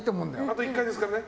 あと１回ですからね。